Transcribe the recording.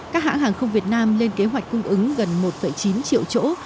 các hãng hàng không việt nam lên kế hoạch cung ứng gần một chín triệu chỗ